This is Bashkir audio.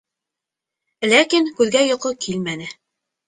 Ләкин күҙгә йоҡо килмәне.